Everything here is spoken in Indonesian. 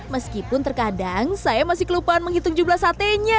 meskipun terkadang saya masih kelupaan menghitung jumlah satenya